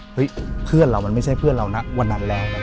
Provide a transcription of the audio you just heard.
เพื่อนเรามันไม่ใช่เพื่อนเรานะวันนั้นแล้ว